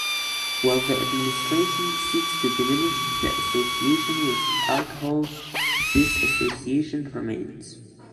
While the administration seeks to diminish the association with alcohol, this association remains.